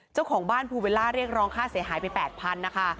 เจ้าของบ้านภูเบลล่าเรียกร้องค่าเสียหายไป๘๐๐๐นะคะ